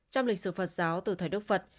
trong lịch sử phật giáo từ thầy đức phật